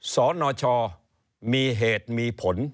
สนชมีเหตุมีผล